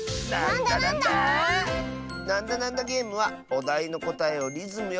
「なんだなんだゲーム」はおだいのこたえをリズムよくいっていくゲーム。